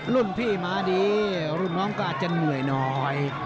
รุ่นพี่มาดีรุ่นน้องก็อาจจะเหนื่อยหน่อย